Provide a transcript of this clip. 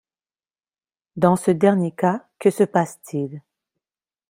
Dans ce dernier cas, que se passe-t-il?